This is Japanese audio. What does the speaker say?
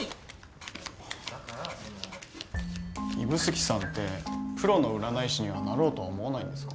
指宿さんってプロの占い師にはなろうとは思わないんですか？